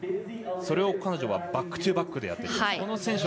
それを彼女はバックトゥバックでやってきます。